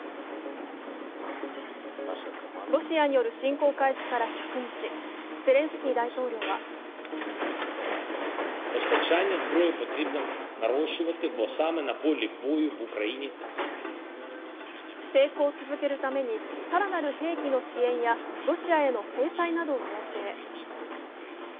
ロシアによる侵攻開始から１００日、ゼレンスキー大統領は抵抗を続けるために更なる兵器の支援やロシアへの制裁などを要請。